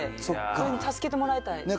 これに助けてもらいたい。